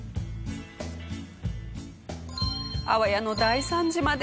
あわやの大惨事まで。